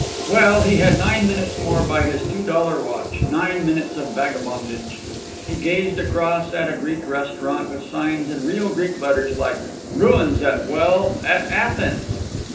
Well, he had nine minutes more, by his two dollar watch; nine minutes of vagabondage. He gazed across at a Greek restaurant with signs in real Greek letters like "ruins at—well, at Aythens."